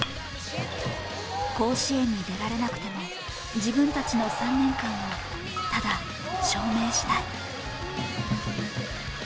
甲子園に出られなくても、自分たちの３年間を、ただ証明したい。